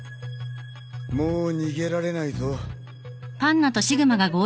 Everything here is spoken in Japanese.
もう逃げられないぞ。